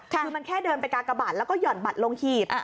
คือมันแค่เดินไปกากบาทแล้วก็ห่อนบัตรลงหีบ